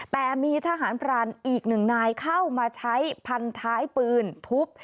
แต่มีทหารพรานอีกหนึ่งนายเข้ามาใช้พันท้ายปืนทุบ